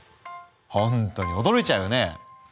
ほんとに驚いちゃうよね。